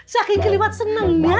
saking keliwat seneng ya